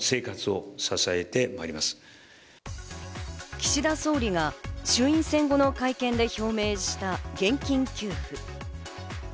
岸田総理が衆院選後の会見で表明した現金給付。